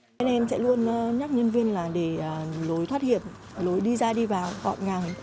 nên em sẽ luôn nhắc nhân viên là để lối thoát hiểm lối đi ra đi vào gọn ngang